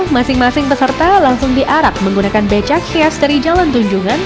masing masing peserta langsung diarap menggunakan becak hias dari jalan tunjungan